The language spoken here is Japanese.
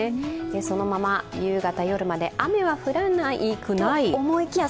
そのまま夕方、夜まで雨は降らなくない？